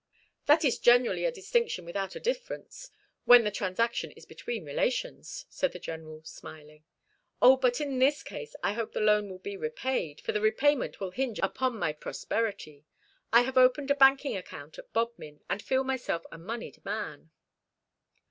"That is generally a distinction without a difference when the transaction is between relations," said the General, smiling. "O, but in this case I hope the loan will be repaid, for the repayment will hinge upon my prosperity. I have opened a banking account at Bodmin, and feel myself a moneyed man."